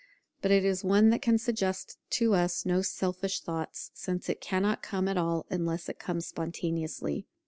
But it is one that can suggest to us no selfish thoughts, since it cannot come at all unless it come spontaneously.